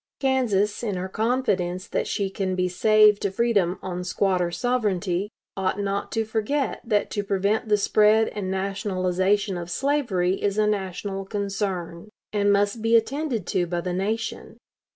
Kansas, in her confidence that she can be saved to freedom on 'squatter sovereignty,' ought not to forget that to prevent the spread and nationalization of slavery is a national concern, and must be attended to by the nation.